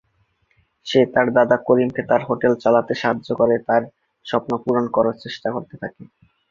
সে তার দাদা করিম কে তার হোটেল চালাতে সাহায্য করে তার স্বপ্ন পূরণ করার চেষ্টা করতে থাকে।